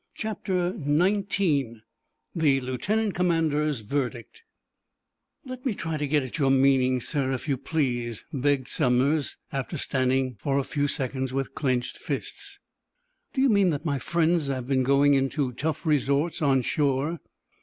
CHAPTER XIX: THE LIEUTENANT COMMANDER'S VERDICT "Let me try to get at your meaning, sir, if you please," begged Somers, after standing for a few seconds with clenched fists. "Do you mean that my friends have been going into tough resorts on shore?"